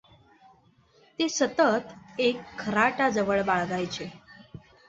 ते सतत एक खराटा जवळ बाळगायचे.